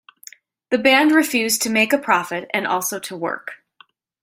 The band refused to make a profit and also to work.